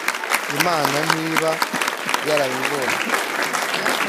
imana ntiba yarabibonye